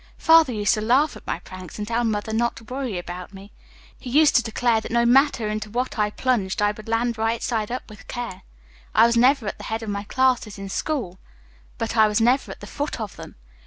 Father used to laugh at my pranks and tell Mother not to worry about me. He used to declare that no matter into what I plunged I would land right side up with care. I was never at the head of my classes in school, but I was never at the foot of them.